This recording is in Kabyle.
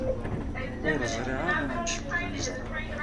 Ur ẓriɣ ara amek ay qqlen ẓran.